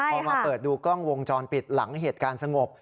พอมาเปิดดูกล้องวงจรปิดหลังเหตุการณ์สงบ